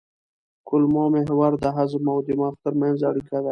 کولمو محور د هضم او دماغ ترمنځ اړیکه ده.